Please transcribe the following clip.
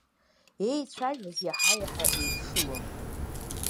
Еицәажәоз иаҳаиаҳа еидшылон.